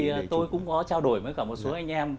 thì tôi cũng có trao đổi với cả một số anh em